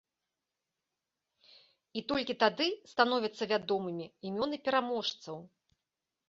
І толькі тады становяцца вядомымі імёны пераможцаў.